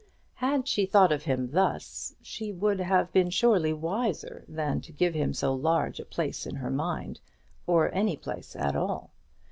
Had she thought of him thus, she would have been surely wiser than to give him so large a place in her mind, or any place at all.